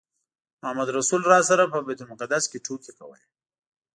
محمدرسول راسره په بیت المقدس کې ټوکې کولې.